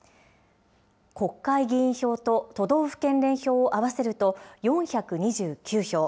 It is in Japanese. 国会議員票と都道府県連票を合わせると４２９票。